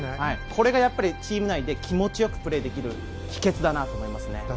これがやっぱりチーム内で気持ちよくプレーできる秘けつだなと思いますね。